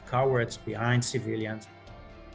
salah satu warga palestina di tepi barat menggambarkan